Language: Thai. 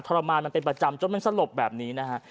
ทรมานมันเป็นประจำจน้ำยังซะหลบแบบนี้นะฮะ